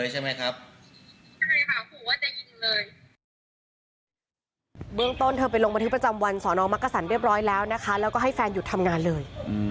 ใช่ค่ะผมว่าจะยิงเลย